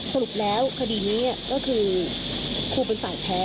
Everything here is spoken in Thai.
สรุปแล้วคดีนี้ก็คือครูเป็นฝ่ายแพ้